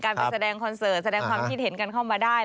ไปแสดงคอนเสิร์ตแสดงความคิดเห็นกันเข้ามาได้